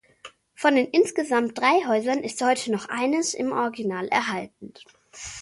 Von den insgesamt drei Häusern ist heute noch eines im Original erhalten.